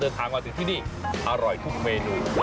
เดินทางมาถึงที่นี่อร่อยทุกเมนู